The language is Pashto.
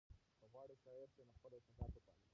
که غواړئ شاعر شئ نو خپل احساسات وپالئ.